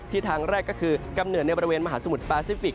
ทางแรกก็คือกำเนิดในบริเวณมหาสมุทรปาซิฟิก